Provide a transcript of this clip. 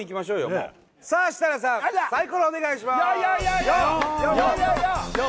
もうさあ設楽さんサイコロお願いします４４４４！